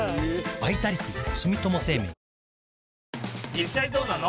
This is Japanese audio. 実際どうなの？